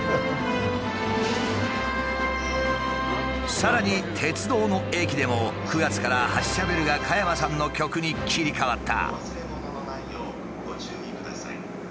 さらに鉄道の駅でも９月から発車ベルが加山さんの曲に切り替わった。